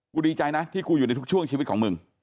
ดีใจนะที่กูอยู่ในทุกช่วงชีวิตของมึง